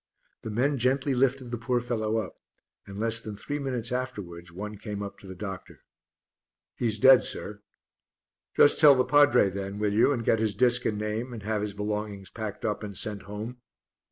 The men gently lifted the poor fellow up, and less than three minutes afterwards one came up to the doctor. "He's dead, sir." "Just tell the padre then, will you, and get his disc and name and have his belongings packed up and sent home."